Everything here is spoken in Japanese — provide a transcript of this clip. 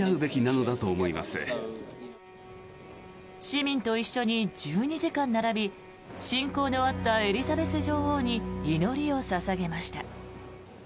市民と一緒に１２時間並び親交のあったエリザベス女王に祈りを捧げました。